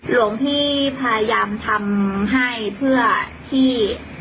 หลวงพี่พยายามทำให้เพื่อที่